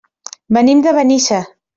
Venim de Benissa.